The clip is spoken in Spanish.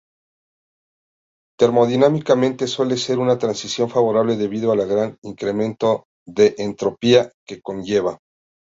Termodinámicamente suele ser una transición favorable debido al gran incremento de entropía que conlleva.